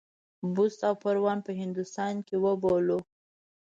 بُست او پروان په هندوستان کې وبولو.